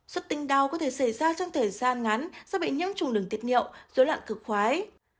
xuất tình đau có thể xảy ra trong thời gian ngắn do bị nhiễm trùng đường tiết niệm dối loạn cực khoái